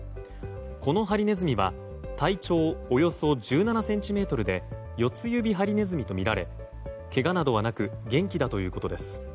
このハリネズミは体長およそ１７ｃｍでヨツユビハリネズミとみられけがなどはなく元気だということです。